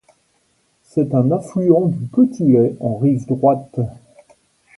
C'est un affluent du Petit Lay en rive droite.